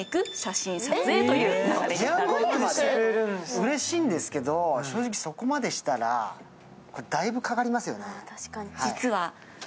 うれしいんですけど、正直、そこまでしたらだいぶかかりますよね。